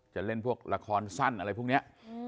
จะเล่นพวกละครสั้นอะไรพวกนี้